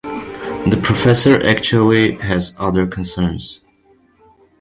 The professor actually has other concerns.